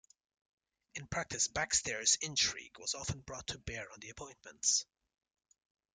In practice backstairs intrigue was often brought to bear on the appointments.